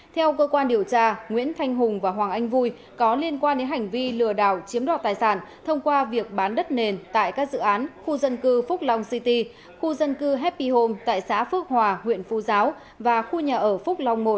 theo cơ quan điều tra nguyễn thanh hùng và hoàng anh vui có liên quan đến hành vi lừa đảo chiếm đoạt tài sản thông qua việc bán đất nền tại các dự án khu dân cư phúc long city khu dân cư hepi home tại xã phước hòa huyện phu giáo và khu nhà ở phúc long một